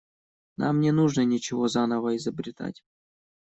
Нам не нужно ничего заново изобретать.